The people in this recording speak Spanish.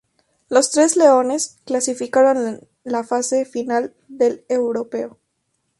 Los Tres Leones clasificaron a la fase final del Europeo.